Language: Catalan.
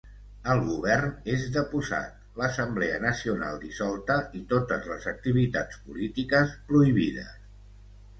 El govern és deposat, l'Assemblea nacional dissolta i totes les activitats polítiques prohibides.